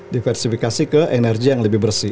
diversifikasi ke energi yang lebih bersih